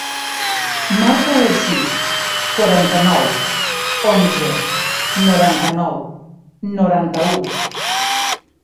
Marca el sis, quaranta-nou, onze, noranta-nou, noranta-u.